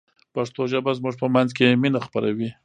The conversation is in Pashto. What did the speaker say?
پښتو ژبه زموږ په منځ کې مینه خپروي.